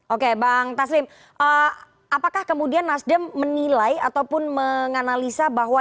oke bang taslim apakah kemudian nasdem menilai ataupun menganalisa bahwa